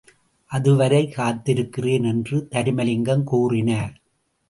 அதுவரை காத்திருக்கிறேன் என்று தருமலிங்கம் கூறினார்.